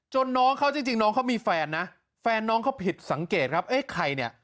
น้องเขาจริงน้องเขามีแฟนนะแฟนน้องเขาผิดสังเกตครับเอ๊ะใครเนี่ย